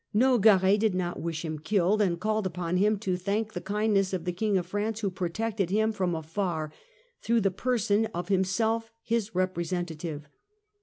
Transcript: Nogaret did not wish him killed, and called upon him to thank the kindness of the King of France, who protected him from afar, through the person of himself, his representative.